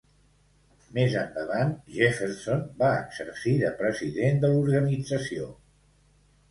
Més endavant, Jefferson va exercir de president de l'organització.